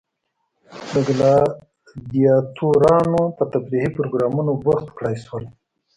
د ګلادیاتورانو په تفریحي پروګرامونو بوخت کړای شول.